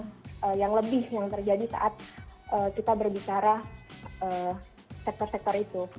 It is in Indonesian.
yang lebih yang terjadi saat kita berbicara sektor sektor itu